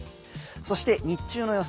そして日中の予想